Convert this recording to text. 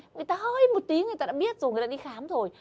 người ta hơi một tí người ta đã biết rồi người ta đi khám rồi